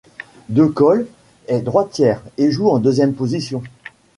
De Col est droitière et joue en deuxième position.